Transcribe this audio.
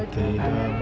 kak fah bubu